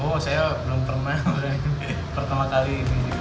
oh saya belum pernah pertama kali